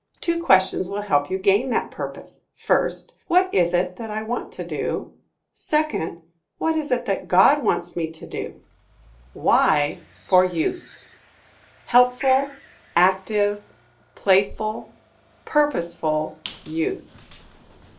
Two questions will help you gain that purpose. 1st What is it that I want to do? 2nd What is it that God wants me to do? Y for Youth. Helpful Active Playful Purposeful Youth.